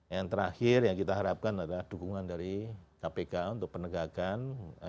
yang terakhir yang kita harapkan adalah dukungan dari kpk untuk penegakan